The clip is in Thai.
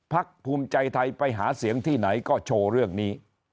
ภูมิใจไทยไปหาเสียงที่ไหนก็โชว์เรื่องนี้